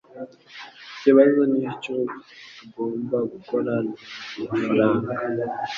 Ikibazo nicyo tugomba gukora naya mafranga.